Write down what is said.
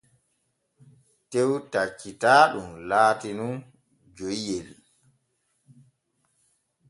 Tew taccitaanu laati nun joyiyel.